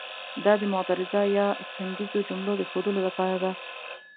دا د معترضه یا څنګیزو جملو د ښودلو لپاره ده.